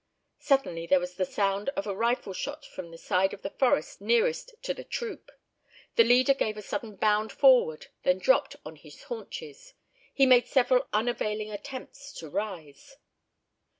Suddenly there was the sound of a rifle shot from the side of the forest nearest to the troop. The leader gave a sudden bound forward, then dropped on his haunches. He made several unavailing attempts to rise.